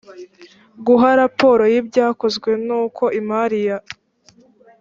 guha raporo y ibyakozwe n uko imari ya